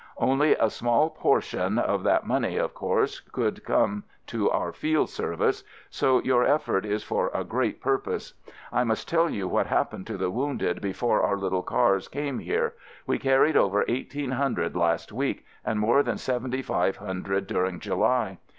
Only a small portion of that money, of course, could come to our Field Service, so your effort is for a great purpose. I must tell you what happened to the wounded be fore our little cars came here — we carried over eighteen hundred last week and more than seventy five hundred during July.